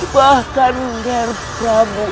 bahkan nger pramu